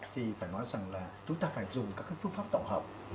thì phải nói rằng là chúng ta phải dùng các phương pháp tổng hợp